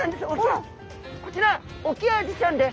こちらオキアジちゃんです。